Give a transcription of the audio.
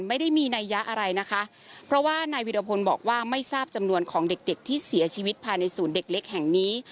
ไม่ได้มีนัยยะอะไรนะคะเพราะว่านายวิรพลบอกว่าไม่ทราบจำนวนของเด็กเด็กที่เสียชีวิตภายในศูนย์เด็กเล็กแห่งนี้